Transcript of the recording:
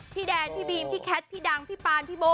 พี่แดนพี่บีมพี่แคทพี่ดังพี่ปานพี่โบ